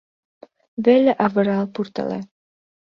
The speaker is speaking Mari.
Веле авырал пуртале.